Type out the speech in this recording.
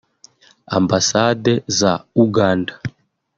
Ambasade za Uganda